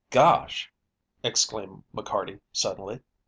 "Gosh!" exclaimed McCarty suddenly.